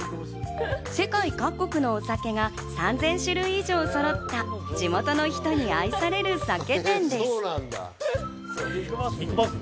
世界各国のお酒が３０００種類以上そろった、地元の人に愛される酒店です。